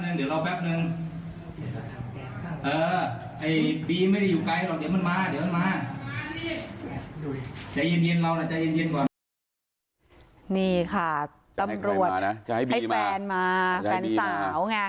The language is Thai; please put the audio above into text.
นี่ค่ะตำรวจให้แฟนมาแฟนสาวไง